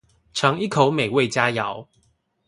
嚐一口美味佳肴